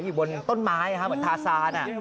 อยู่บนต้นไม้นะครับเหมือนทาซาน